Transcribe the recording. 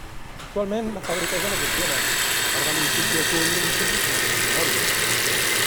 Actualment la fàbrica ja no funciona i una part de l'edifici acull un concessionari d'automòbils.